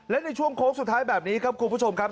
และในช่วงโค้งสุดท้ายแบบนี้ครับคุณผู้ชมครับ